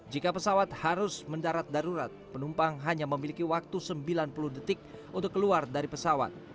jika pesawat harus mendarat darurat penumpang hanya memiliki waktu sembilan puluh detik untuk keluar dari pesawat